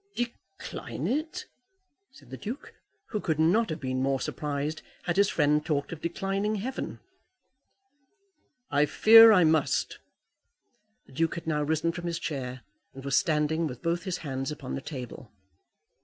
"Decline it!" said the Duke, who could not have been more surprised had his friend talked of declining heaven. "I fear I must." The Duke had now risen from his chair, and was standing, with both his hands upon the table.